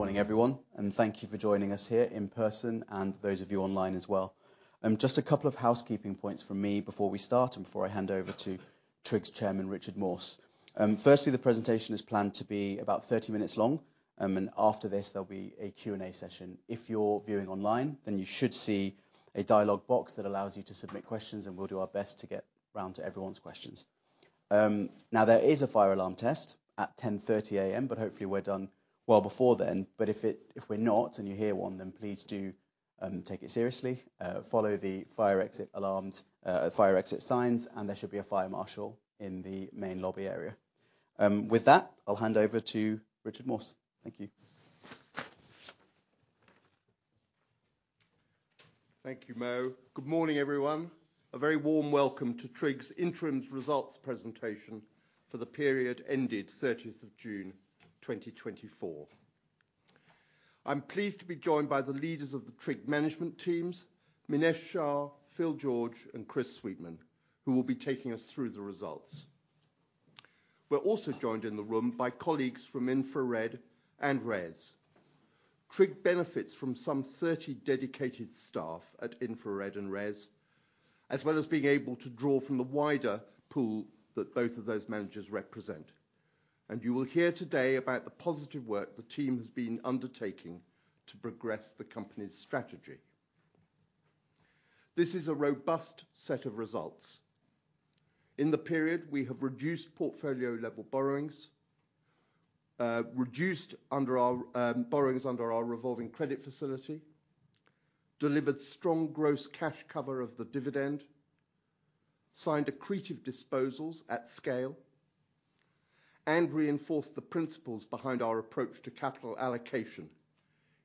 Good morning, everyone, and thank you for joining us here in person, and those of you online as well. Just a couple of housekeeping points from me before we start, and before I hand over to TRIG's chairman, Richard Morse. Firstly, the presentation is planned to be about 30 minutes long, and after this, there'll be a Q&A session. If you're viewing online, then you should see a dialog box that allows you to submit questions, and we'll do our best to get around to everyone's questions. Now, there is a fire alarm test at 10:30 A.M., but hopefully we're done well before then. But if it, if we're not, and you hear one, then please do take it seriously. Follow the fire exit alarms, fire exit signs, and there should be a fire marshal in the main lobby area. With that, I'll hand over to Richard Morse. Thank you. Thank you, Mo. Good morning, everyone. A very warm welcome to TRIG's interim results presentation for the period ended 30th of June, 2024. I'm pleased to be joined by the leaders of the TRIG management teams, Minesh Shah, Phil George, and Chris Sweetman, who will be taking us through the results. We're also joined in the room by colleagues from InfraRed and RES. TRIG benefits from some 30 dedicated staff at InfraRed and RES, as well as being able to draw from the wider pool that both of those managers represent. You will hear today about the positive work the team has been undertaking to progress the company's strategy. This is a robust set of results. In the period, we have reduced portfolio level borrowings, reduced borrowings under our revolving credit facility, delivered strong gross cash cover of the dividend, signed accretive disposals at scale, and reinforced the principles behind our approach to capital allocation,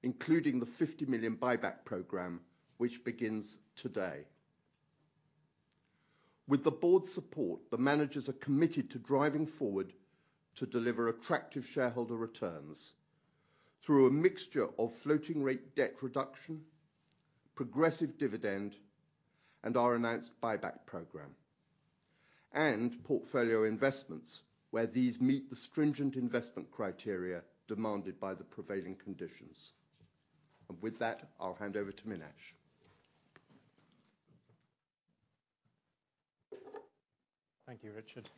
including the 50 million buyback program, which begins today. With the board's support, the managers are committed to driving forward to deliver attractive shareholder returns through a mixture of floating rate debt reduction, progressive dividend, and our announced buyback program, and portfolio investments, where these meet the stringent investment criteria demanded by the prevailing conditions. With that, I'll hand over to Minesh. Thank you, Richard.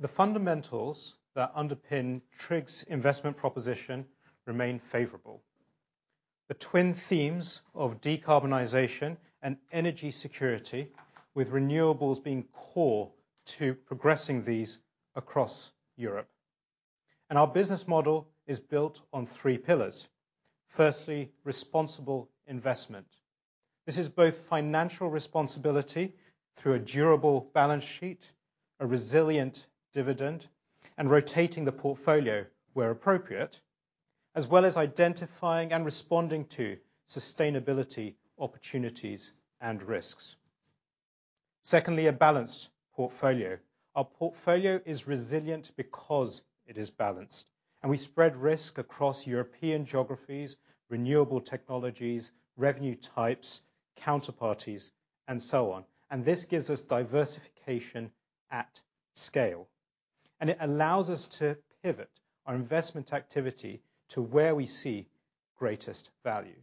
The fundamentals that underpin TRIG's investment proposition remain favorable. The twin themes of decarbonization and energy security, with renewables being core to progressing these across Europe, and our business model is built on three pillars. Firstly, responsible investment. This is both financial responsibility through a durable balance sheet, a resilient dividend, and rotating the portfolio where appropriate, as well as identifying and responding to sustainability opportunities and risks. Secondly, a balanced portfolio. Our portfolio is resilient because it is balanced, and we spread risk across European geographies, renewable technologies, revenue types, counterparties, and so on, and this gives us diversification at scale. And it allows us to pivot our investment activity to where we see greatest value.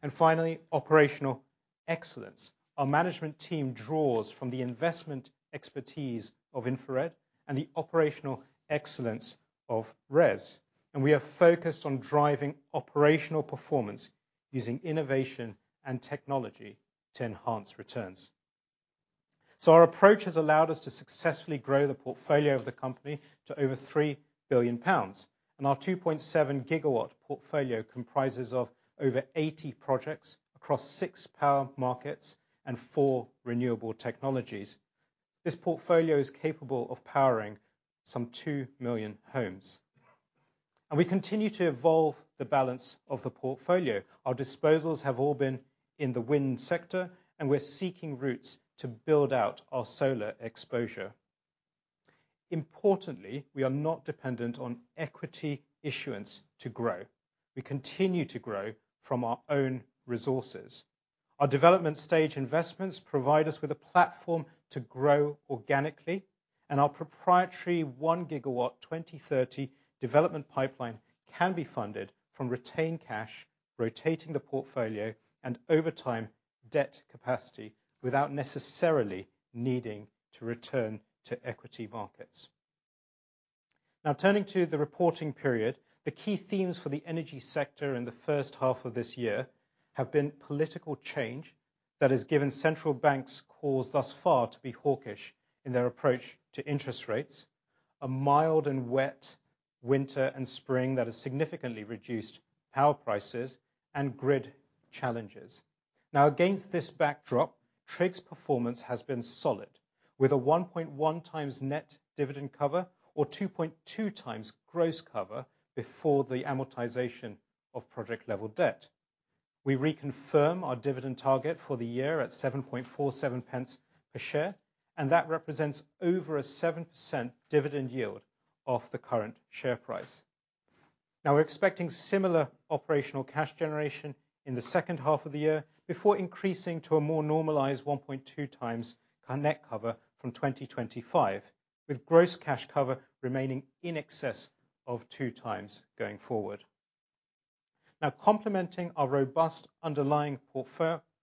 And finally, operational excellence. Our management team draws from the investment expertise of InfraRed and the operational excellence of RES, and we are focused on driving operational performance using innovation and technology to enhance returns. So our approach has allowed us to successfully grow the portfolio of the company to over three billion pounds, and our 2.7-GW portfolio comprises of over 80 projects across six power markets and four renewable technologies. This portfolio is capable of powering some two million homes, and we continue to evolve the balance of the portfolio. Our disposals have all been in the wind sector, and we're seeking routes to build out our solar exposure. Importantly, we are not dependent on equity issuance to grow. We continue to grow from our own resources. Our development stage investments provide us with a platform to grow organically, and our proprietary 1 GW 2030 development pipeline can be funded from retained cash, rotating the portfolio, and over time, debt capacity, without necessarily needing to return to equity markets. Now, turning to the reporting period, the key themes for the energy sector in the first half of this year have been political change that has given central banks cause, thus far, to be hawkish in their approach to interest rates, a mild and wet winter and spring that has significantly reduced power prices, and grid challenges. Now, against this backdrop, TRIG's performance has been solid, with a 1.1x net dividend cover, or 2.2x gross cover before the amortization of project level debt. We reconfirm our dividend target for the year at 0.0747 per share, and that represents over a 7% dividend yield off the current share price. Now we're expecting similar operational cash generation in the second half of the year, before increasing to a more normalized 1.2 times our net cover from 2025, with gross cash cover remaining in excess of two times going forward. Now, complementing our robust underlying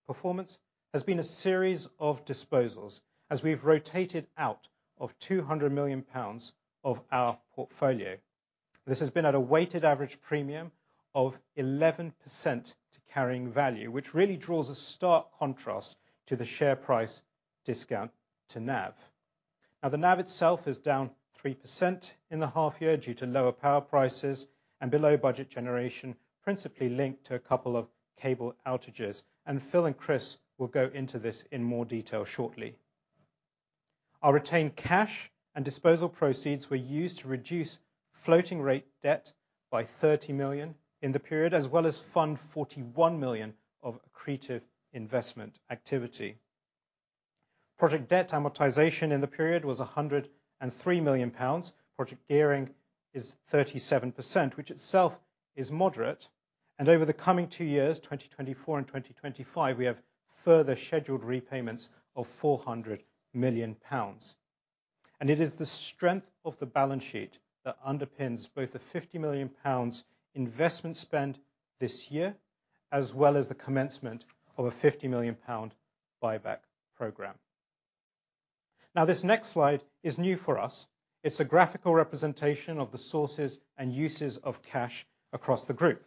performance has been a series of disposals as we've rotated out of 200 million pounds of our portfolio. This has been at a weighted average premium of 11% to carrying value, which really draws a stark contrast to the share price discount to NAV. Now, the NAV itself is down 3% in the half year due to lower power prices and below budget generation, principally linked to a couple of cable outages. Phil and Chris will go into this in more detail shortly. Our retained cash and disposal proceeds were used to reduce floating rate debt by 30 million in the period, as well as fund 41 million of accretive investment activity. Project debt amortization in the period was 103 million pounds. Project gearing is 37%, which itself is moderate. Over the coming two years, 2024 and 2025, we have further scheduled repayments of 400 million pounds. It is the strength of the balance sheet that underpins both the 50 million pounds investment spend this year, as well as the commencement of a 50 million pound buyback program. Now, this next slide is new for us. It's a graphical representation of the sources and uses of cash across the group.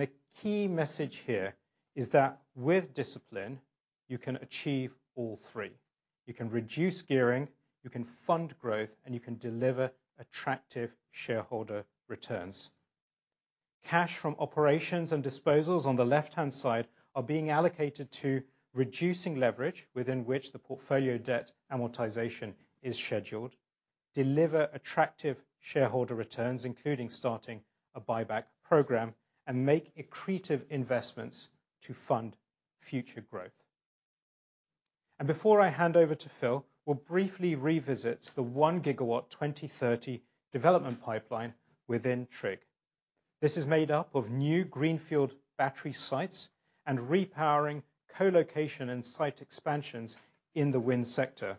A key message here is that with discipline, you can achieve all three. You can reduce gearing, you can fund growth, and you can deliver attractive shareholder returns. Cash from operations and disposals on the left-hand side are being allocated to reducing leverage within which the portfolio debt amortization is scheduled, deliver attractive shareholder returns, including starting a buyback program, and make accretive investments to fund future growth. Before I hand over to Phil, we'll briefly revisit the 1 GW 2030 development pipeline within TRIG. This is made up of new greenfield battery sites and repowering co-location and site expansions in the wind sector.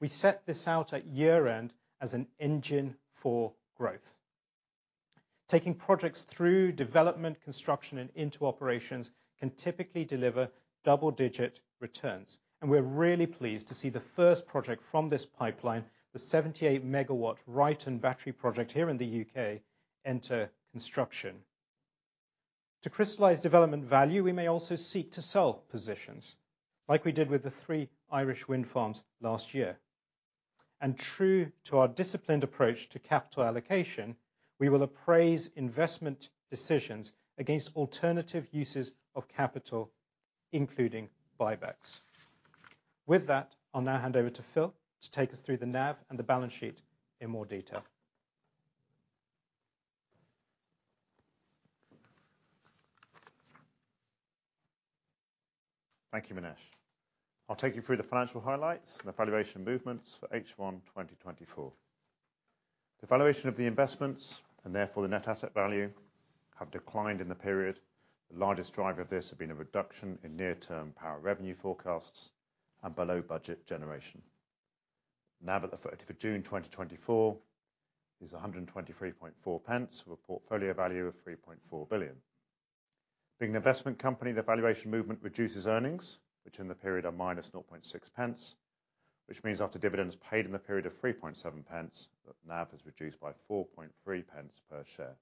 We set this out at year-end as an engine for growth. Taking projects through development, construction, and into operations can typically deliver double-digit returns, and we're really pleased to see the first project from this pipeline, the 78 MW Ryton battery project here in the U.K., enter construction. To crystallize development value, we may also seek to sell positions, like we did with the three Irish wind farms last year. And true to our disciplined approach to capital allocation, we will appraise investment decisions against alternative uses of capital, including buybacks. With that, I'll now hand over to Phil to take us through the NAV and the balance sheet in more detail. Thank you, Minesh. I'll take you through the financial highlights and the valuation movements for H1 2024. The valuation of the investments, and therefore the net asset value, have declined in the period. The largest driver of this has been a reduction in near-term power revenue forecasts and below-budget generation. NAV at the thirtieth of June 2024 is 1.234, with a portfolio value of 3.4 billion. Being an investment company, the valuation movement reduces earnings, which in the period are minus 0.006, which means after dividends paid in the period of 0.037, the NAV is reduced by 0.043 per share.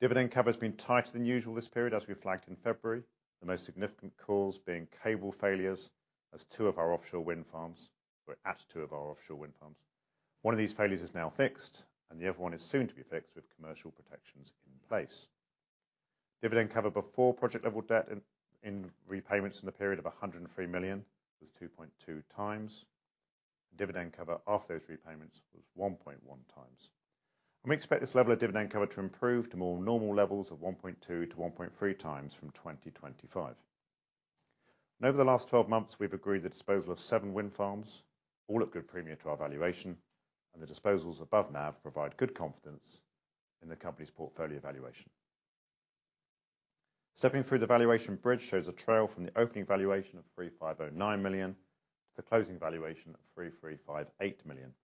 Dividend cover has been tighter than usual this period, as we flagged in February, the most significant cause being cable failures at two of our offshore wind farms. One of these failures is now fixed, and the other one is soon to be fixed with commercial protections in place. Dividend cover before project-level debt repayments in the period of 103 million was 2.2 times. Dividend cover after those repayments was 1.1 times. We expect this level of dividend cover to improve to more normal levels of 1.2-1.3 times from 2025. Over the last 12 months, we've agreed the disposal of seven wind farms, all at good premium to our valuation, and the disposals above NAV provide good confidence in the company's portfolio valuation. Stepping through the valuation bridge shows a trail from the opening valuation of 350.9 million to the closing valuation of 335.8 million.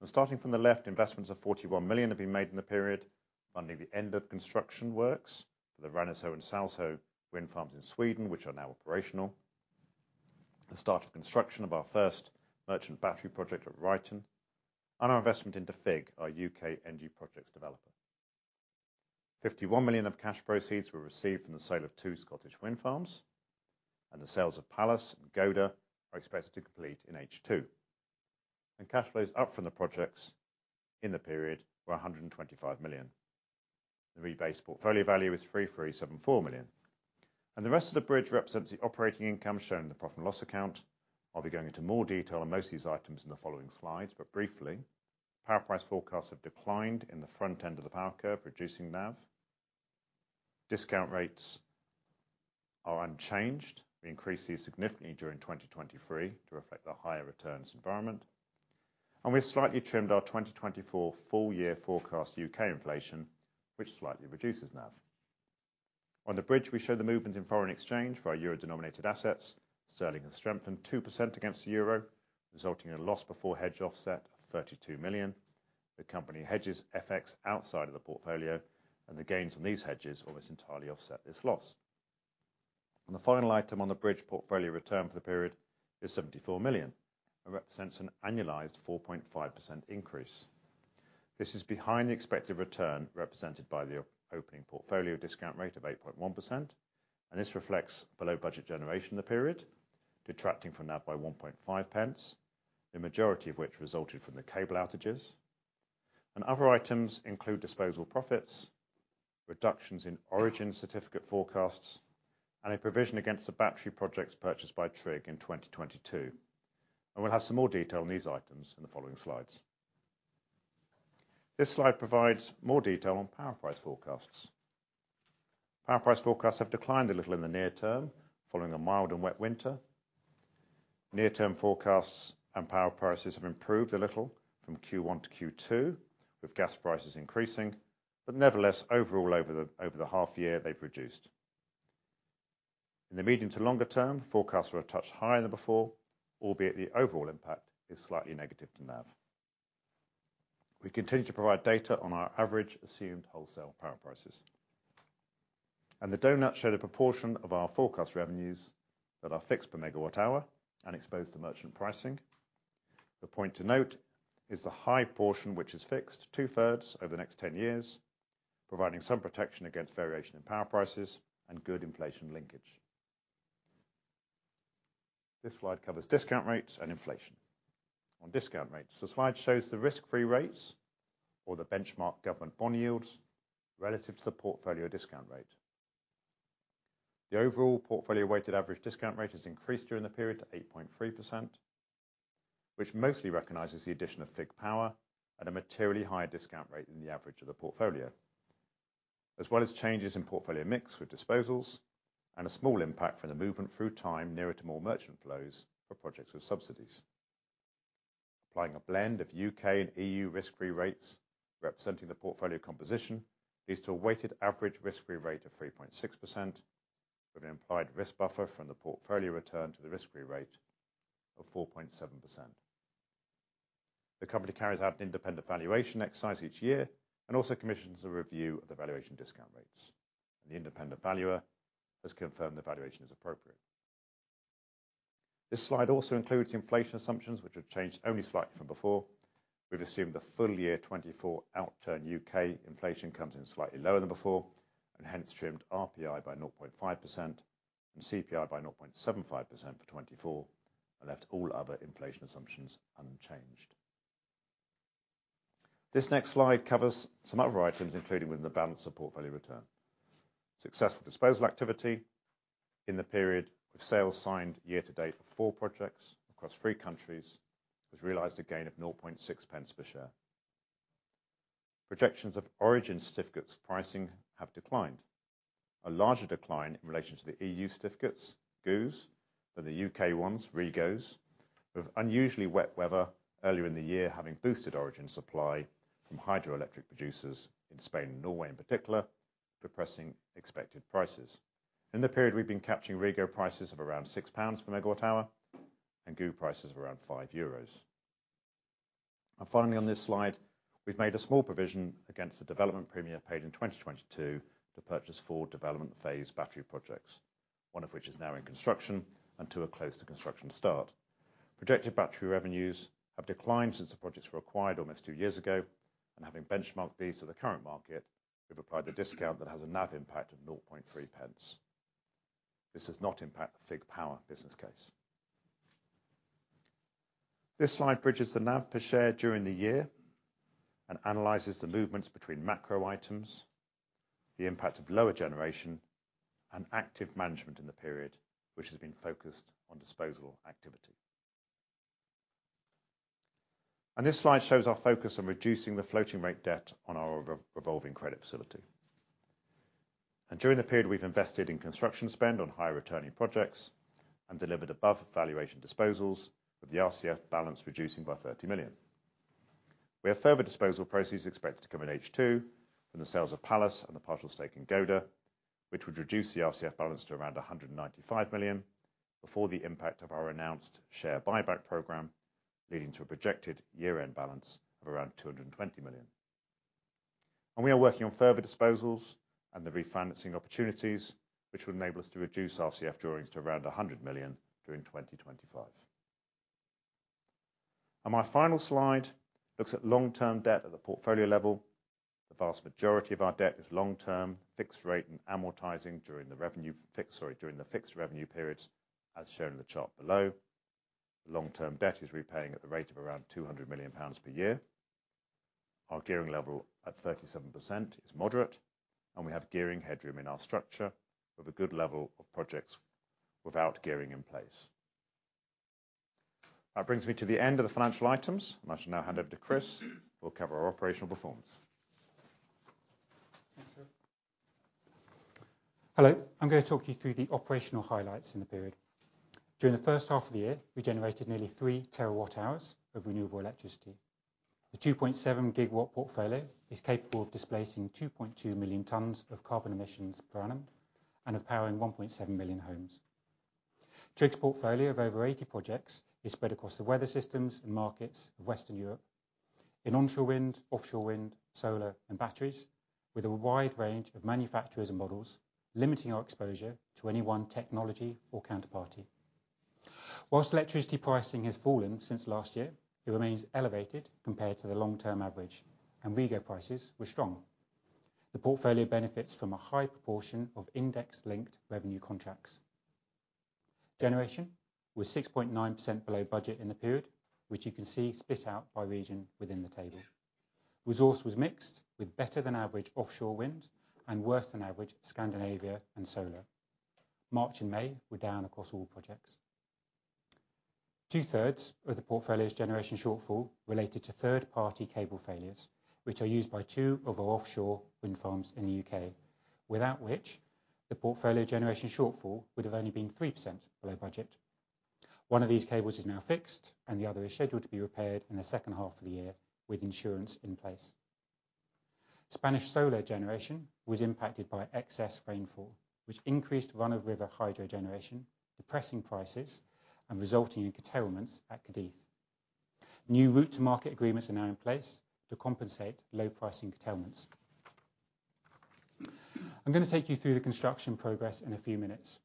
Now, starting from the left, investments of 41 million have been made in the period, funding the end of construction works for the Ranasjo and Salsjö wind farms in Sweden, which are now operational, the start of construction of our first merchant battery project at Ryton, and our investment into FIG, our UK energy projects developer. 51 million of cash proceeds were received from the sale of two Scottish wind farms, and the sales of Pallas and Gode are expected to complete in H2. And cash flows up from the projects in the period were 125 million. The rebased portfolio value is 337.4 million, and the rest of the bridge represents the operating income shown in the profit and loss account. I'll be going into more detail on most of these items in the following slides, but briefly, power price forecasts have declined in the front end of the power curve, reducing NAV. Discount rates are unchanged. We increased these significantly during 2023 to reflect the higher returns environment, and we slightly trimmed our 2024 full year forecast U.K. inflation, which slightly reduces NAV. On the bridge, we show the movement in foreign exchange for our euro-denominated assets. Sterling has strengthened 2% against the euro, resulting in a loss before hedge offset of 32 million. The company hedges FX outside of the portfolio, and the gains on these hedges almost entirely offset this loss. The final item on the bridge portfolio return for the period is 74 million. It represents an annualized 4.5% increase. This is behind the expected return, represented by the opening portfolio discount rate of 8.1%, and this reflects below-budget generation in the period, detracting from NAV by 0.015, the majority of which resulted from the cable outages. Other items include disposal profits, reductions in origin certificate forecasts, and a provision against the battery projects purchased by TRIG in 2022. We'll have some more detail on these items in the following slides. This slide provides more detail on power price forecasts. Power price forecasts have declined a little in the near term, following a mild and wet winter. Near-term forecasts and power prices have improved a little from Q1-Q2, with gas prices increasing. But nevertheless, overall, over the half year, they've reduced. In the medium to longer term, forecasts are a touch higher than before, albeit the overall impact is slightly negative to NAV. We continue to provide data on our average assumed wholesale power prices. And the donut show the proportion of our forecast revenues that are fixed per megawatt hour and exposed to merchant pricing. The point to note is the high portion, which is fixed, two-thirds over the next 10 years, providing some protection against variation in power prices and good inflation linkage. This slide covers discount rates and inflation. On discount rates, the slide shows the risk-free rates or the benchmark government bond yields relative to the portfolio discount rate. The overall portfolio weighted average discount rate has increased during the period to 8.3%, which mostly recognizes the addition of FIG Power at a materially higher discount rate than the average of the portfolio, as well as changes in portfolio mix with disposals and a small impact from the movement through time nearer to more merchant flows for projects with subsidies. Applying a blend of UK and EU risk-free rates, representing the portfolio composition, leads to a weighted average risk-free rate of 3.6%, with an implied risk buffer from the portfolio return to the risk-free rate of 4.7%. The company carries out an independent valuation exercise each year and also commissions a review of the valuation discount rates, and the independent valuer has confirmed the valuation is appropriate. This slide also includes inflation assumptions, which have changed only slightly from before. We've assumed the full year 2024 outturn UK inflation comes in slightly lower than before, and hence trimmed RPI by 0.5% and CPI by 0.75% for 2024, and left all other inflation assumptions unchanged. This next slide covers some other items, including within the balanced portfolio return. Successful disposal activity in the period of sales signed year to date for four projects across three countries, has realized a gain of 0.006 per share. Projections of origin certificates pricing have declined. A larger decline in relation to the EU certificates, GoOs, than the U.K. ones, REGOs, with unusually wet weather earlier in the year, having boosted origin supply from hydroelectric producers in Spain and Norway, in particular, depressing expected prices. In the period, we've been capturing REGO prices of around 6 pounds per MWh and GoO prices of around 5 euros. Finally, on this slide, we've made a small provision against the development premium paid in 2022 to purchase four development phase battery projects, one of which is now in construction and two are close to construction start. Projected battery revenues have declined since the projects were acquired almost two years ago, and having benchmarked these to the current market, we've applied a discount that has a NAV impact of 0.003. This does not impact the FIG power business case. This slide bridges the NAV per share during the year and analyzes the movements between macro items, the impact of lower generation, and active management in the period, which has been focused on disposal activity. This slide shows our focus on reducing the floating rate debt on our revolving credit facility. During the period, we've invested in construction spend on high-returning projects and delivered above valuation disposals, with the RCF balance reducing by 30 million. We have further disposal proceeds expected to come in H2 from the sales of Pallas and the partial stake in Gode, which would reduce the RCF balance to around 195 million, before the impact of our announced share buyback program, leading to a projected year-end balance of around 220 million. We are working on further disposals and the refinancing opportunities, which will enable us to reduce RCF drawings to around 100 million during 2025. My final slide looks at long-term debt at the portfolio level. The vast majority of our debt is long-term, fixed rate, and amortizing during the revenue fix... sorry, during the fixed revenue periods, as shown in the chart below. Long-term debt is repaying at the rate of around 200 million pounds per year. Our gearing level, at 37%, is moderate, and we have gearing headroom in our structure, with a good level of projects without gearing in place. That brings me to the end of the financial items, and I shall now hand over to Chris, who'll cover our operational performance. Thanks, sir. Hello. I'm going to talk you through the operational highlights in the period. During the first half of the year, we generated nearly three TWh of renewable electricity. The 2.7-GW portfolio is capable of displacing 2.2 million tons of carbon emissions per annum and of powering 1.7 million homes. TRIG's portfolio of over 80 projects is spread across the weather systems and markets of Western Europe in onshore wind, offshore wind, solar and batteries, with a wide range of manufacturers and models, limiting our exposure to any one technology or counterparty. While electricity pricing has fallen since last year, it remains elevated compared to the long-term average, and REGO prices were strong. The portfolio benefits from a high proportion of index-linked revenue contracts. Generation was 6.9% below budget in the period, which you can see split out by region within the table. Resource was mixed with better than average offshore wind and worse than average Scandinavia and solar. March and May were down across all projects. Two-thirds of the portfolio's generation shortfall related to third-party cable failures, which are used by two of our offshore wind farms in the U.K., without which the portfolio generation shortfall would have only been 3% below budget. One of these cables is now fixed, and the other is scheduled to be repaired in the second half of the year, with insurance in place. Spanish solar generation was impacted by excess rainfall, which increased run-of-river hydro generation, depressing prices and resulting in curtailments at Cádiz. New route to market agreements are now in place to compensate low pricing curtailments. I'm going to take you through the construction progress in a few minutes,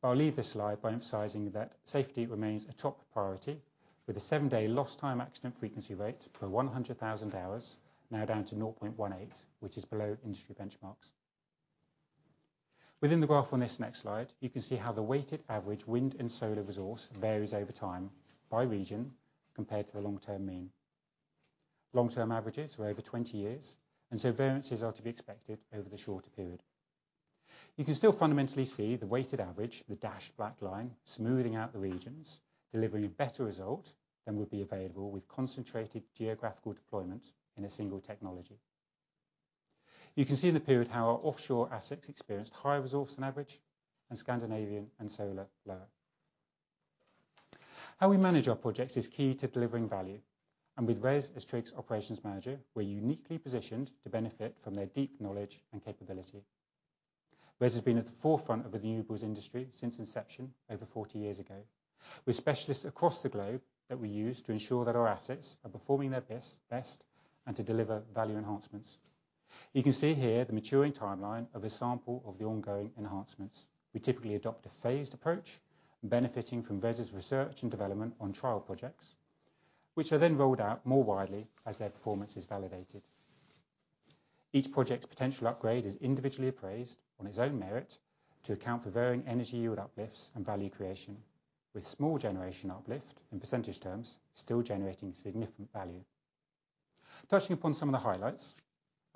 but I'll leave this slide by emphasizing that safety remains a top priority, with a seven-day lost time accident frequency rate per 100,000 hours, now down to 0.18, which is below industry benchmarks. Within the graph on this next slide, you can see how the weighted average wind and solar resource varies over time by region compared to the long-term mean. Long-term averages were over 20 years, and so variances are to be expected over the shorter period. You can still fundamentally see the weighted average, the dashed black line, smoothing out the regions, delivering a better result than would be available with concentrated geographical deployment in a single technology. You can see in the period how our offshore assets experienced higher resource than average and Scandinavian and solar lower. How we manage our projects is key to delivering value, and with RES as Trigg's operations manager, we're uniquely positioned to benefit from their deep knowledge and capability. RES has been at the forefront of the renewables industry since inception over 40 years ago, with specialists across the globe that we use to ensure that our assets are performing their best and to deliver value enhancements. You can see here the maturing timeline of a sample of the ongoing enhancements. We typically adopt a phased approach, benefiting from RES' research and development on trial projects, which are then rolled out more widely as their performance is validated. Each project's potential upgrade is individually appraised on its own merit to account for varying energy yield uplifts and value creation, with small generation uplift in percentage terms still generating significant value. Touching upon some of the highlights,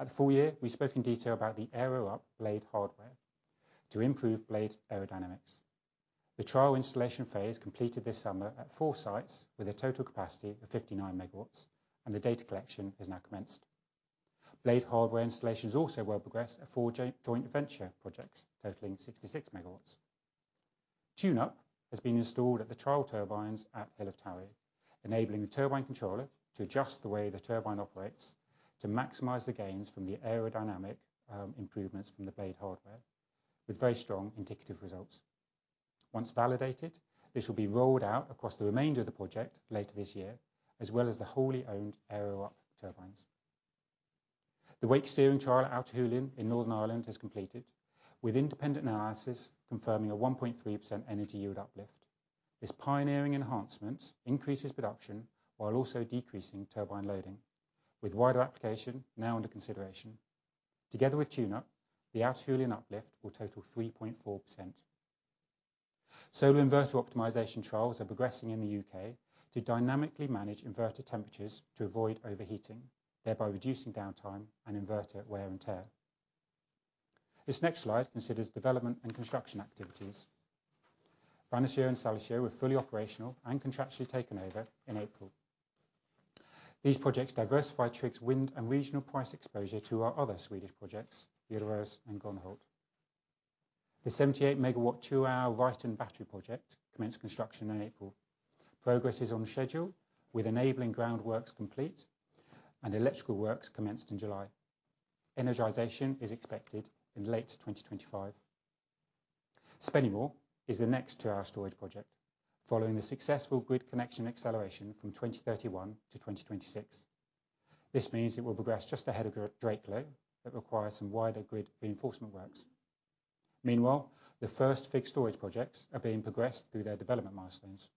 at the full year, we spoke in detail about the AeroUp blade hardware to improve blade aerodynamics. The trial installation phase completed this summer at four sites with a total capacity of 59 MW, and the data collection has now commenced. Blade hardware installations are also well progressed at four joint venture projects, totaling 66 MW. TuneUp has been installed at the trial turbines at Hill of Towie, enabling the turbine controller to adjust the way the turbine operates to maximize the gains from the aerodynamic improvements from the blade hardware with very strong indicative results. Once validated, this will be rolled out across the remainder of the project later this year, as well as the wholly owned AeroUp turbines. The wake steering trial at Altahullion in Northern Ireland has completed, with independent analysis confirming a 1.3% energy yield uplift. This pioneering enhancement increases production while also decreasing turbine loading, with wider application now under consideration. Together with TuneUp, the Altahullion uplift will total 3.4%. Solar inverter optimization trials are progressing in the UK to dynamically manage inverter temperatures to avoid overheating, thereby reducing downtime and inverter wear and tear. This next slide considers development and construction activities. Vanisio and Sal were fully operational and contractually taken over in April. These projects diversify TRIG's wind and regional price exposure to our other Swedish projects, jarvtjarn and Gronhult. The 78-MW two-hour Ryton battery project commenced construction in April. Progress is on schedule, with enabling groundworks complete and electrical works commenced in July. Energization is expected in late 2025. Spennymoor is the next two-hour storage project, following the successful grid connection acceleration from 2021-2026. This means it will progress just ahead of Drakelow that require some wider grid reinforcement works. Meanwhile, the first fixed storage projects are being progressed through their development milestones.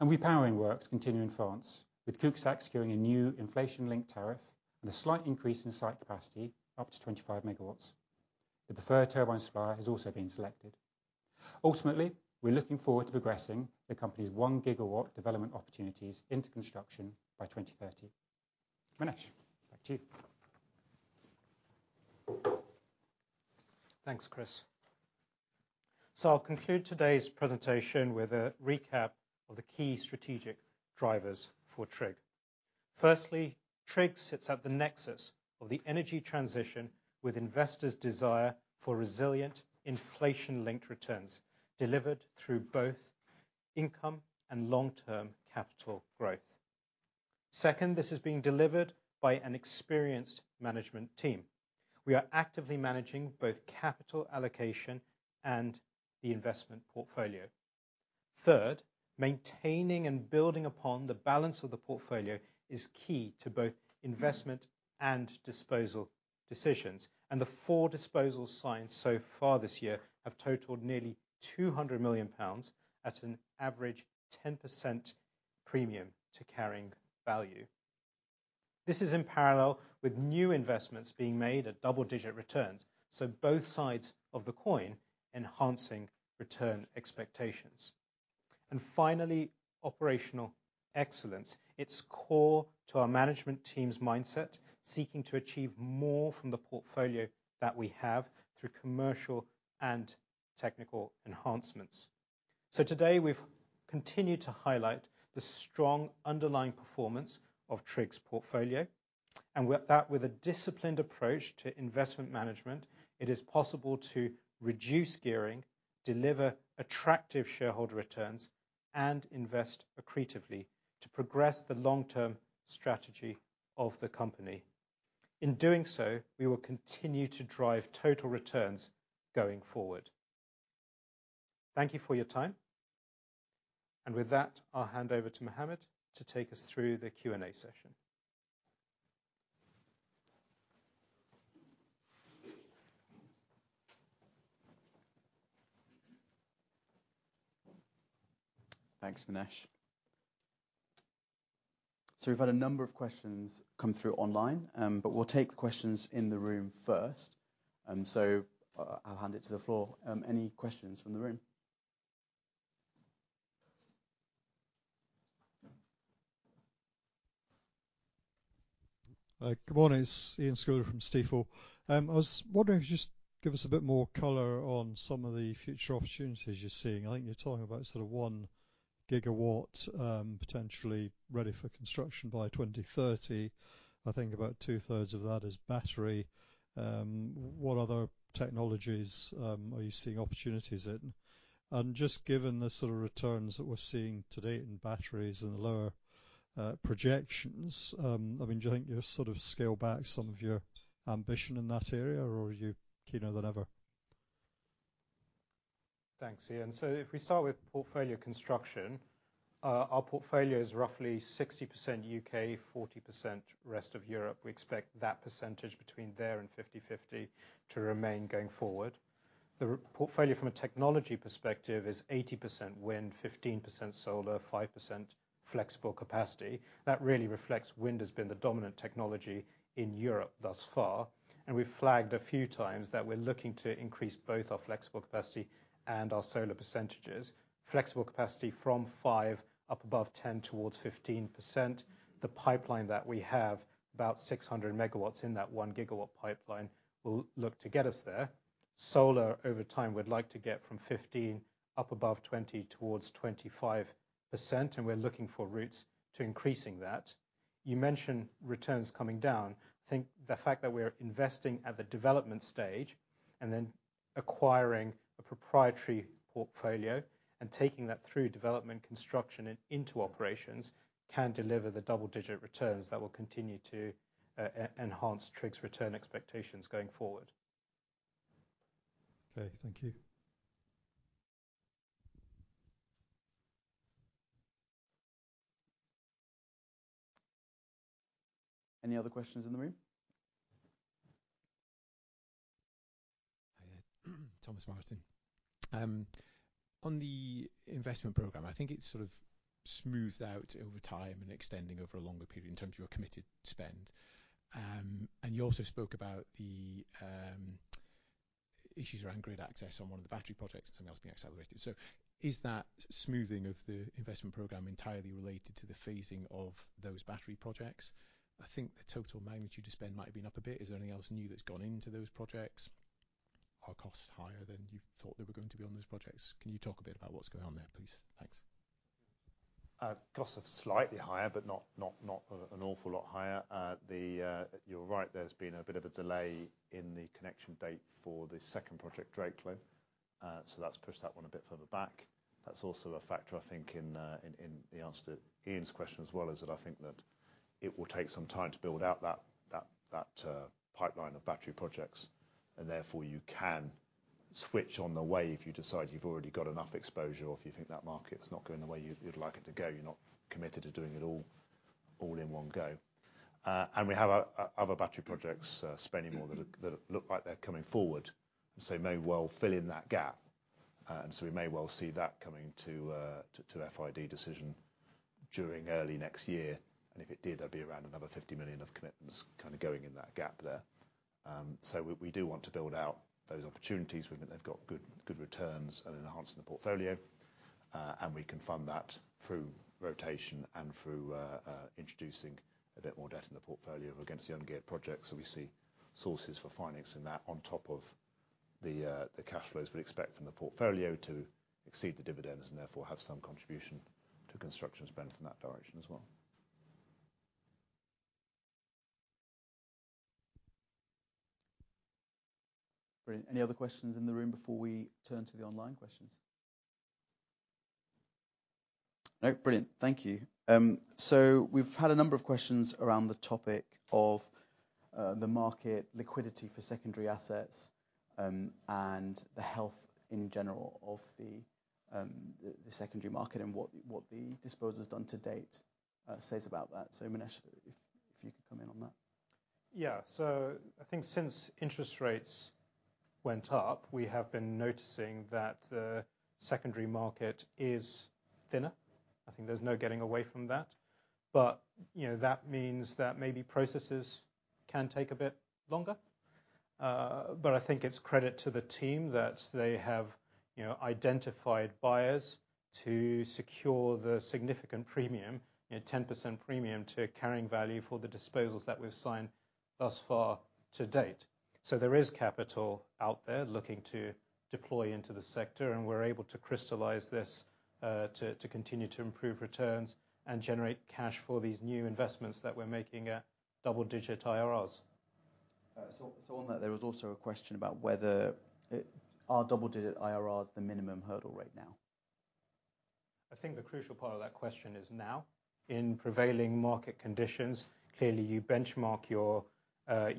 Repowering works continue in France, with Cuxac securing a new inflation-linked tariff and a slight increase in site capacity up to 25 MW. The preferred turbine supplier has also been selected. Ultimately, we're looking forward to progressing the company's 1 GW development opportunities into construction by 2030. Minesh, back to you.... Thanks, Chris. So I'll conclude today's presentation with a recap of the key strategic drivers for TRIG. Firstly, TRIG sits at the nexus of the energy transition, with investors' desire for resilient inflation-linked returns, delivered through both income and long-term capital growth. Second, this is being delivered by an experienced management team. We are actively managing both capital allocation and the investment portfolio. Third, maintaining and building upon the balance of the portfolio is key to both investment and disposal decisions, and the 4 disposals so far this year have totaled nearly 200 million pounds at an average 10% premium to carrying value. This is in parallel with new investments being made at double-digit returns, so both sides of the coin enhancing return expectations. And finally, operational excellence. It's core to our management team's mindset, seeking to achieve more from the portfolio that we have through commercial and technical enhancements. So today, we've continued to highlight the strong underlying performance of TRIG's portfolio, and with that, with a disciplined approach to investment management, it is possible to reduce gearing, deliver attractive shareholder returns, and invest accretively to progress the long-term strategy of the company. In doing so, we will continue to drive total returns going forward. Thank you for your time. And with that, I'll hand over to Mohammed to take us through the Q&A session. Thanks, Minesh. We've had a number of questions come through online, but we'll take the questions in the room first. I'll hand it to the floor. Any questions from the room? Good morning. It's Ian Scouller from Stifel. I was wondering if you could just give us a bit more color on some of the future opportunities you're seeing. I think you're talking about sort of 1 GW, potentially ready for construction by 2030. I think about two-thirds of that is battery. What other technologies are you seeing opportunities in? And just given the sort of returns that we're seeing to date in batteries and the lower projections, I mean, do you think you'll sort of scale back some of your ambition in that area, or are you keener than ever? Thanks, Ian. So if we start with portfolio construction, our portfolio is roughly 60% U.K., 40% rest of Europe. We expect that percentage between there and 50/50 to remain going forward. The portfolio from a technology perspective is 80% wind, 15% solar, 5% flexible capacity. That really reflects wind has been the dominant technology in Europe thus far, and we've flagged a few times that we're looking to increase both our flexible capacity and our solar percentages. Flexible capacity from 5% up above 10% towards 15%. The pipeline that we have, about 600 MW in that 1 GW pipeline, will look to get us there. Solar, over time, we'd like to get from 15% up above 20%, towards 25%, and we're looking for routes to increasing that. You mentioned returns coming down. I think the fact that we're investing at the development stage and then acquiring a proprietary portfolio and taking that through development, construction, and into operations can deliver the double-digit returns that will continue to enhance TRIG's return expectations going forward. Okay, thank you. Any other questions in the room? Hi there, Thomas Martin. On the investment program, I think it's sort of smoothed out over time and extending over a longer period in terms of your committed spend. And you also spoke about the issues around grid access on one of the battery projects, something that's being accelerated. So is that smoothing of the investment program entirely related to the phasing of those battery projects? I think the total magnitude of spend might have been up a bit. Is there anything else new that's gone into those projects? Are costs higher than you thought they were going to be on those projects? Can you talk a bit about what's going on there, please? Thanks. Costs are slightly higher, but not an awful lot higher. You're right, there's been a bit of a delay in the connection date for the second project, Drakelow. So that's pushed that one a bit further back. That's also a factor, I think, in the answer to Ian's question as well, is that I think that it will take some time to build out that pipeline of battery projects, and therefore you can switch on the way if you decide you've already got enough exposure or if you think that market's not going the way you'd like it to go. You're not committed to doing it all in one go. And we have other battery projects, spending more that look like they're coming forward, so may well fill in that gap. And so we may well see that coming to FID decision during early next year. And if it did, there'd be around another 50 million of commitments kind of going in that gap there. So we do want to build out those opportunities. We think they've got good returns and enhancing the portfolio. And we can fund that through rotation and through introducing a bit more debt in the portfolio against the ungeared projects. So we see sources for finance in that, on top of the cash flows we'd expect from the portfolio to exceed the dividends, and therefore, have some contribution to construction spend from that direction as well. Great. Any other questions in the room before we turn to the online questions? No? Brilliant. Thank you. So we've had a number of questions around the topic of the market liquidity for secondary assets, and the health in general of the secondary market and what the disposal has done to date says about that. So Minesh, if you could come in on that. Yeah. So I think since interest rates went up, we have been noticing that the secondary market is thinner. I think there's no getting away from that. But, you know, that means that maybe processes can take a bit longer. But I think it's credit to the team that they have, you know, identified buyers to secure the significant premium, you know, 10% premium to carrying value for the disposals that we've signed thus far to date. So there is capital out there looking to deploy into the sector, and we're able to crystallize this, to continue to improve returns and generate cash for these new investments that we're making at double-digit IRRs. So on that, there was also a question about whether are double-digit IRRs the minimum hurdle rate now? I think the crucial part of that question is now, in prevailing market conditions, clearly, you benchmark your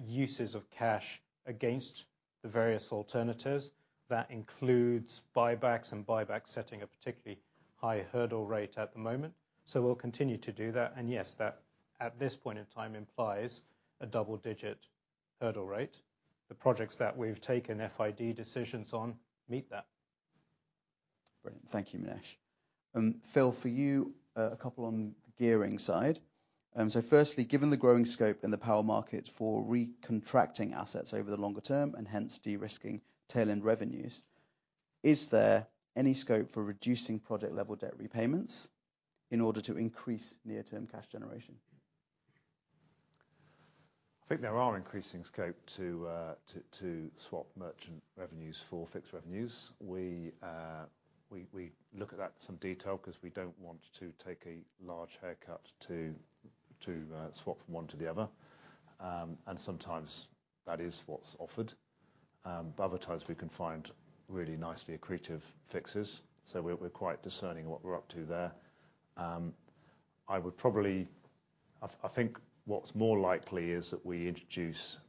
uses of cash against the various alternatives. That includes buybacks, and buybacks setting a particularly high hurdle rate at the moment. So we'll continue to do that, and yes, that, at this point in time, implies a double-digit hurdle rate. The projects that we've taken FID decisions on meet that. Great. Thank you, Minesh. Phil, for you, a couple on the gearing side. So firstly, given the growing scope in the power market for recontracting assets over the longer term and hence de-risking tail-end revenues, is there any scope for reducing project-level debt repayments in order to increase near-term cash generation? I think there are increasing scope to swap merchant revenues for fixed revenues. We look at that in some detail, 'cause we don't want to take a large haircut to swap from one to the other. And sometimes that is what's offered. But other times, we can find really nicely accretive fixes, so we're quite discerning in what we're up to there. I think what's more likely is that we introduce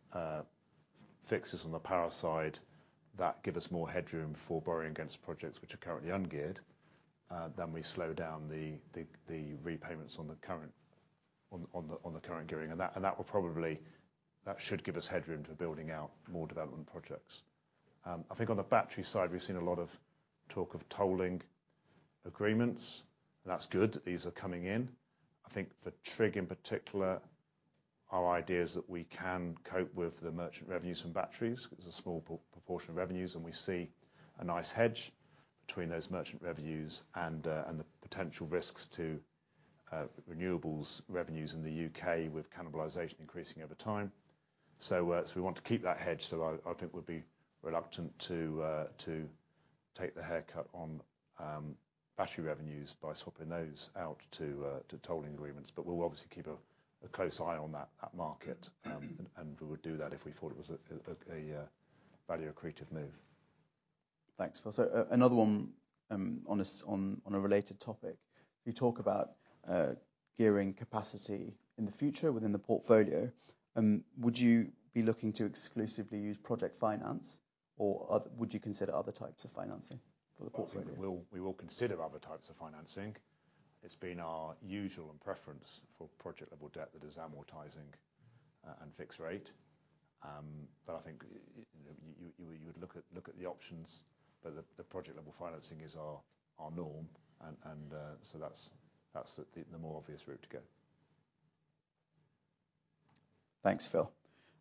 fixes on the power side that give us more headroom for borrowing against projects which are currently ungeared than we slow down the repayments on the current gearing. That should give us headroom for building out more development projects. I think on the battery side, we've seen a lot of talk of tolling agreements, and that's good. These are coming in. I think for TRIG in particular, our idea is that we can cope with the merchant revenues from batteries. It's a small proportion of revenues, and we see a nice hedge between those merchant revenues and the potential risks to renewables revenues in the U.K., with cannibalization increasing over time. So we want to keep that hedge, so I think we'd be reluctant to take the haircut on battery revenues by swapping those out to tolling agreements. But we'll obviously keep a close eye on that market, and we would do that if we thought it was a value-accretive move. Thanks, Phil. So, another one on a related topic. You talk about gearing capacity in the future within the portfolio. Would you be looking to exclusively use project finance, or would you consider other types of financing for the portfolio? We will consider other types of financing. It's been our usual and preference for project-level debt that is amortizing, and fixed rate. But I think, you would look at the options, but the project-level financing is our norm, and so that's the more obvious route to go. Thanks, Phil.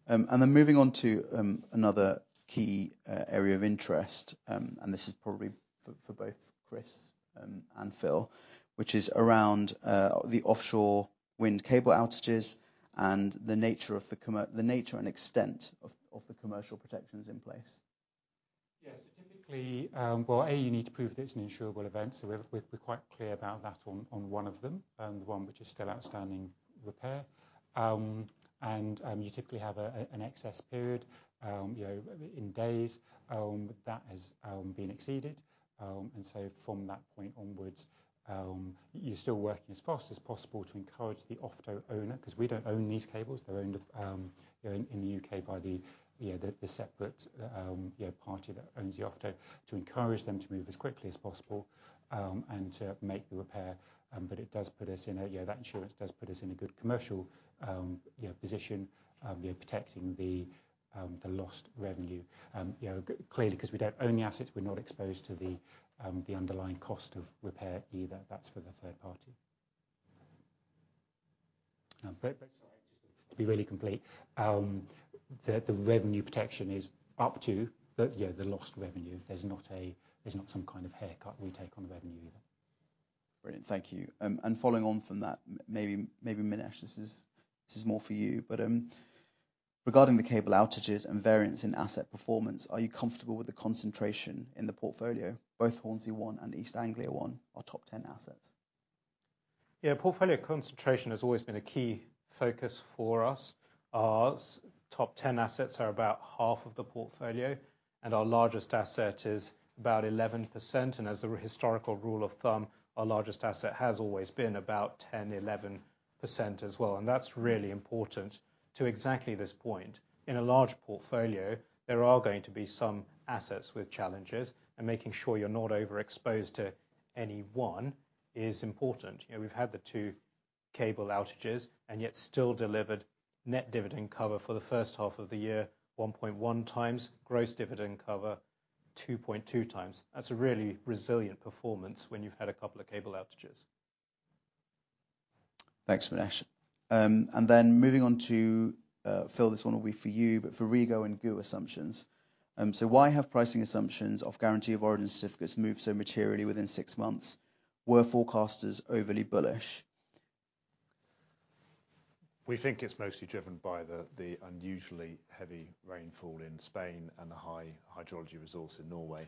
Then moving on to another key area of interest, and this is probably for both Chris and Phil, which is around the offshore wind cable outages and the nature and extent of the commercial protections in place. Yeah. So typically, well, you need to prove that it's an insurable event, so we're quite clear about that on one of them, and the one which is still outstanding repair. And, you typically have an excess period, you know, in days, that has been exceeded. And so from that point onwards, you're still working as fast as possible to encourage the OFTO owner, 'cause we don't own these cables. They're owned, you know, in the U.K. by the, you know, the separate, you know, party that owns the OFTO, to encourage them to move as quickly as possible, and to make the repair. But it does put us in a... Yeah, that insurance does put us in a good commercial, you know, position, you know, protecting the, the lost revenue. You know, clearly, 'cause we don't own the assets, we're not exposed to the, the underlying cost of repair either. That's for the third party... But sorry, just to be really complete, the, the revenue protection is up to the, yeah, the lost revenue. There's not some kind of haircut retake on the revenue either. Brilliant, thank you. And following on from that, maybe Minesh, this is more for you, but, regarding the cable outages and variance in asset performance, are you comfortable with the concentration in the portfolio? Both Hornsea One and East Anglia One are top 10 assets. Yeah, portfolio concentration has always been a key focus for us. Our top 10 assets are about half of the portfolio, and our largest asset is about 11%. As a historical rule of thumb, our largest asset has always been about 10, 11% as well, and that's really important to exactly this point. In a large portfolio, there are going to be some assets with challenges, and making sure you're not overexposed to any one is important. You know, we've had the two cable outages, and yet still delivered net dividend cover for the first half of the year, 1.1 times. Gross dividend cover, 2.2 times. That's a really resilient performance when you've had a couple of cable outages. Thanks, Minesh. Then moving on to Phil, this one will be for you, but for REGO and GoO assumptions. Why have pricing assumptions of guarantee of origin certificates moved so materially within six months? Were forecasters overly bullish? We think it's mostly driven by the unusually heavy rainfall in Spain and the high hydrology resource in Norway.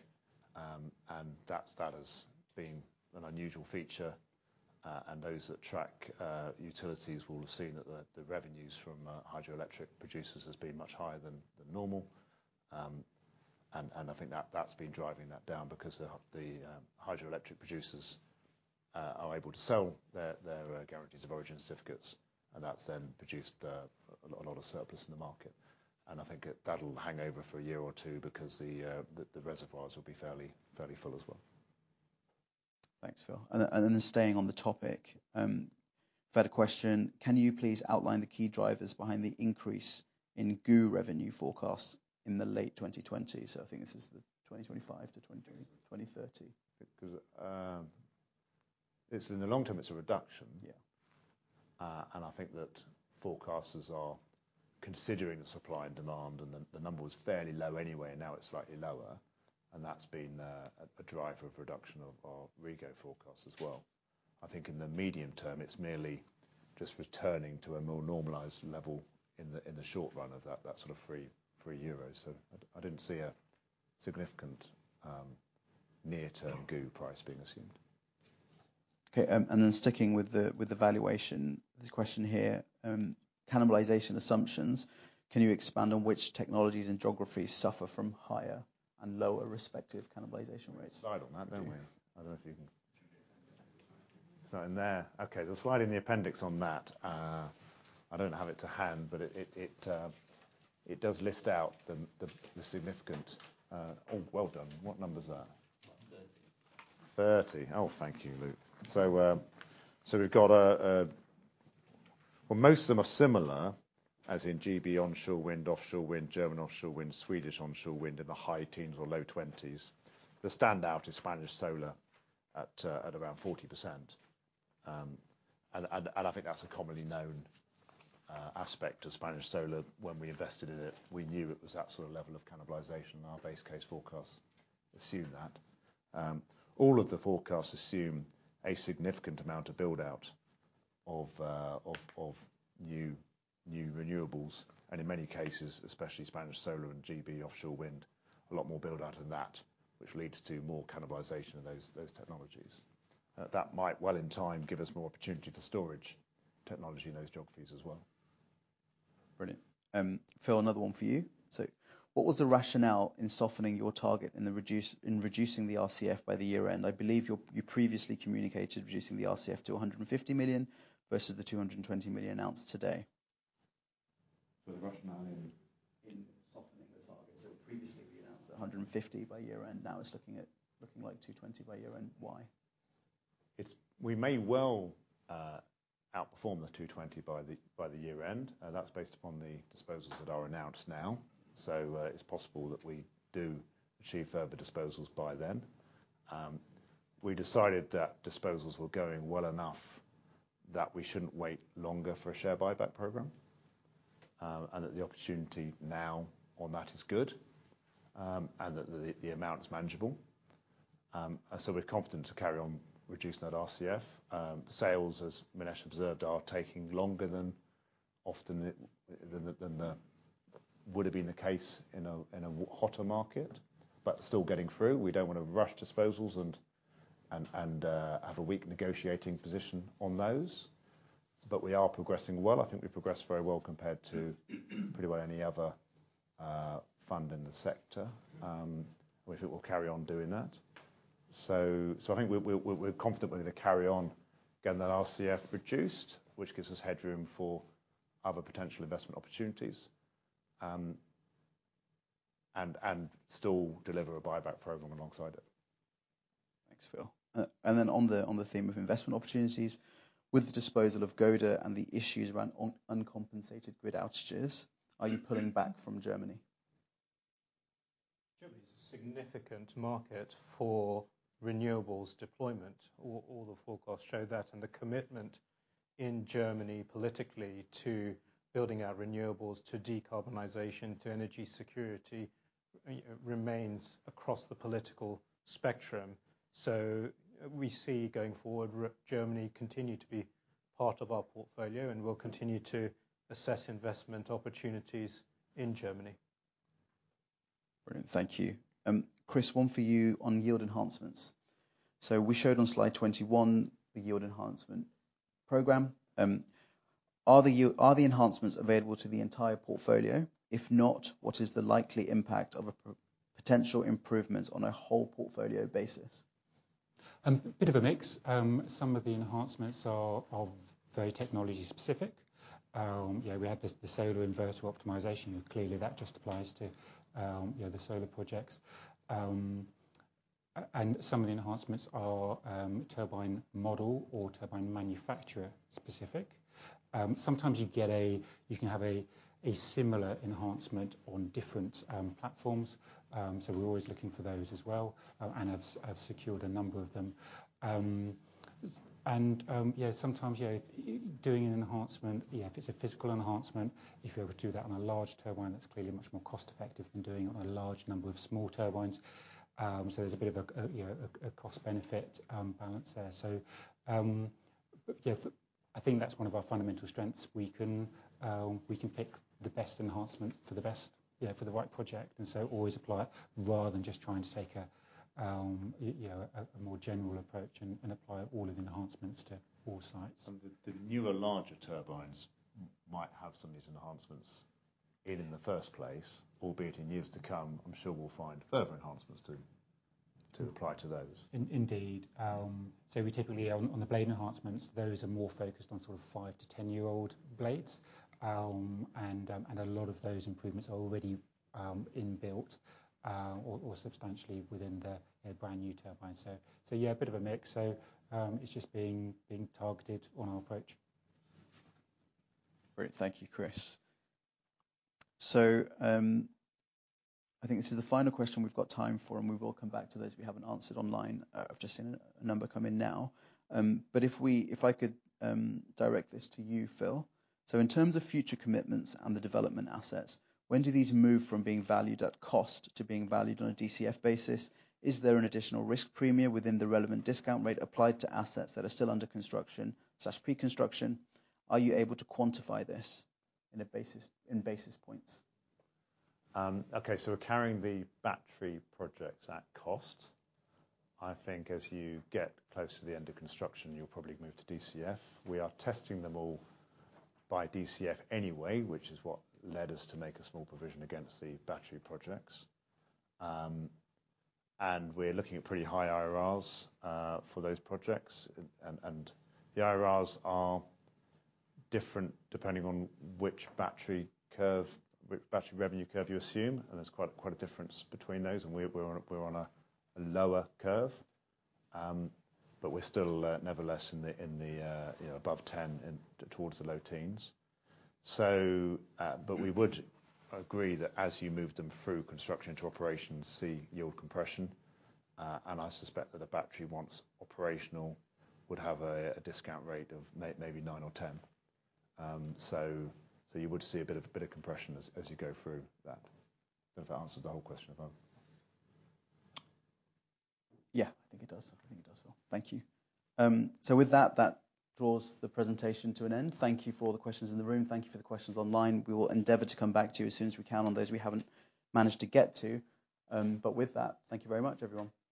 And that has been an unusual feature. And those that track utilities will have seen that the revenues from hydroelectric producers has been much higher than normal. And I think that's been driving that down because the hydroelectric producers are able to sell their guarantees of origin certificates, and that's then produced a lot of surplus in the market. And I think that'll hang over for a year or two because the reservoirs will be fairly full as well. Thanks, Phil. And then staying on the topic, we've had a question: Can you please outline the key drivers behind the increase in GoO revenue forecasts in the late 2020? So I think this is the 2025-2030. Because, it's in the long term, it's a reduction. Yeah. And I think that forecasters are considering the supply and demand, and the number was fairly low anyway, and now it's slightly lower. And that's been a driver of reduction of our REGO forecast as well. I think in the medium term, it's merely just returning to a more normalized level in the short run of that sort of free GO. So I didn't see a significant near-term GoO price being assumed. Okay, and then sticking with the valuation, there's a question here, cannibalization assumptions, can you expand on which technologies and geographies suffer from higher and lower respective cannibalization rates? Slide on that, don't we? I don't know if you can... So in there. Okay, the slide in the appendix on that, I don't have it to hand, but it does list out the significant... Oh, well done. What number is that? 30. 30. Oh, thank you, Luke. So, so we've got a... Well, most of them are similar, as in GB onshore wind, offshore wind, German offshore wind, Swedish onshore wind in the high teens or low twenties. The standout is Spanish solar at around 40%. And I think that's a commonly known aspect of Spanish solar. When we invested in it, we knew it was that sort of level of cannibalization, and our base case forecasts assume that. All of the forecasts assume a significant amount of build-out of new renewables, and in many cases, especially Spanish solar and GB offshore wind, a lot more build-out than that, which leads to more cannibalization of those technologies. That might well in time, give us more opportunity for storage technology in those geographies as well. Brilliant. Phil, another one for you. So what was the rationale in softening your target in reducing the RCF by the year end? I believe you previously communicated reducing the RCF to 150 million, versus the 220 million announced today. So the rationale in softening the target, so previously, we announced 150 by year end, now it's looking like 220 by year end. Why? We may well outperform the 220 by the year end. That's based upon the disposals that are announced now. So, it's possible that we do achieve further disposals by then. We decided that disposals were going well enough that we shouldn't wait longer for a share buyback program, and that the opportunity now on that is good, and that the amount is manageable. So we're confident to carry on reducing that RCF. Sales, as Minesh observed, are taking longer than often than the would have been the case in a hotter market, but still getting through. We don't want to rush disposals and have a weak negotiating position on those. But we are progressing well. I think we've progressed very well compared to pretty well any other fund in the sector. Which it will carry on doing that. So I think we're confidently going to carry on getting that RCF reduced, which gives us headroom for other potential investment opportunities and still deliver a buyback program alongside it. Thanks, Phil. And then on the theme of investment opportunities, with the disposal of Gode and the issues around uncompensated grid outages, are you pulling back from Germany?... significant market for renewables deployment. All the forecasts show that, and the commitment in Germany politically to building out renewables, to decarbonization, to energy security, remains across the political spectrum. So we see, going forward, Germany continue to be part of our portfolio, and we'll continue to assess investment opportunities in Germany. Brilliant, thank you. Chris, one for you on yield enhancements. So we showed on slide 21, the yield enhancement program. Are the enhancements available to the entire portfolio? If not, what is the likely impact of potential improvements on a whole portfolio basis? Bit of a mix. Some of the enhancements are very technology-specific. Yeah, we had the solar inverter optimization, and clearly, that just applies to, you know, the solar projects. And some of the enhancements are turbine model- or turbine manufacturer-specific. Sometimes you can have a similar enhancement on different platforms. So we're always looking for those as well, and have secured a number of them. And yeah, sometimes doing an enhancement, if it's a physical enhancement, if you're able to do that on a large turbine, that's clearly much more cost-effective than doing it on a large number of small turbines. So there's a bit of a, you know, a cost-benefit balance there. Yeah, I think that's one of our fundamental strengths. We can, we can pick the best enhancement for the best, you know, for the right project, and so always apply it, rather than just trying to take a, you know, a more general approach and apply all of the enhancements to all sites. The newer, larger turbines might have some of these enhancements in the first place, albeit in years to come. I'm sure we'll find further enhancements to apply to those. Indeed. So we typically on the blade enhancements, those are more focused on sort of five to 10-year-old blades. And a lot of those improvements are already inbuilt, or substantially within the brand new turbine. So yeah, a bit of a mix. So it's just being targeted on our approach. Great. Thank you, Chris. So, I think this is the final question we've got time for, and we will come back to those we haven't answered online. I've just seen a number come in now. But if I could direct this to you, Phil. So in terms of future commitments and the development assets, when do these move from being valued at cost to being valued on a DCF basis? Is there an additional risk premium within the relevant discount rate applied to assets that are still under construction, such pre-construction? Are you able to quantify this in a basis, in basis points? Okay, so we're carrying the battery projects at cost. I think as you get close to the end of construction, you'll probably move to DCF. We are testing them all by DCF anyway, which is what led us to make a small provision against the battery projects. And we're looking at pretty high IRRs for those projects. And the IRRs are different depending on which battery curve, which battery revenue curve you assume, and there's quite a difference between those. And we're on a lower curve. But we're still nevertheless, you know, above 10, in towards the low teens. So, but we would agree that as you move them through construction into operations, see yield compression, and I suspect that a battery once operational would have a discount rate of maybe nine or 10. So, you would see a bit of compression as you go through that. I don't know if that answered the whole question at all. Yeah, I think it does. I think it does, Phil. Thank you. So with that, that draws the presentation to an end. Thank you for all the questions in the room. Thank you for the questions online. We will endeavor to come back to you as soon as we can on those we haven't managed to get to. But with that, thank you very much, everyone. Thank you.